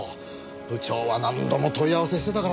部長は何度も問い合わせしてたからな。